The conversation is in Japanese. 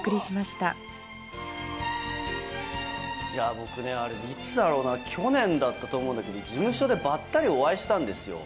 僕ね、いつだろうな、去年だったと思うんだけど、事務所でばったりお会いしたんですよ。